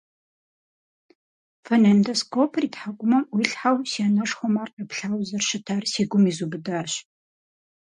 Фонедоскопыр и тхьэкӀумэм Ӏуилъхьэу си анэшхуэм ар къеплъауэ зэрыщытар си гум изубыдащ.